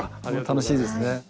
楽しいですね。